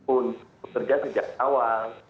untuk bekerja sejak awal